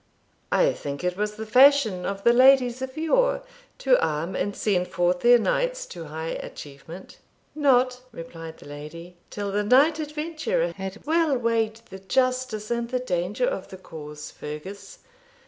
I think it was the fashion of the ladies of yore to arm and send forth their knights to high achievement.' 'Not,' replied the lady, 'till the knight adventurer had well weighed the justice and the danger of the cause, Fergus.